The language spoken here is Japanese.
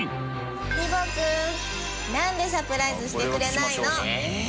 ひーぼぉくんなんでサプライズしてくれないの？